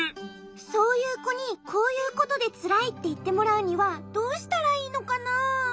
そういうこに「こういうことでつらい」っていってもらうにはどうしたらいいのかな？